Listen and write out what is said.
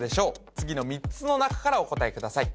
次の３つの中からお答えください